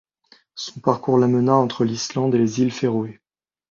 Son parcours l'amena entre l'Islande et les Îles Féroé.